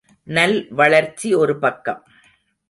நல் வளர்ச்சி ஒரு பக்கம்.